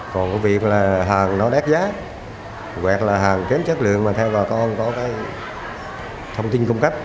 còn cái việc là hàng nó đắt giá hoặc là hàng kém chất lượng mà theo bà con có cái thông tin cung cấp